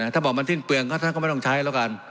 ถ้าบอกมันสิ้นเปลืองก็ท่านก็ไม่ต้องใช้แล้วกัน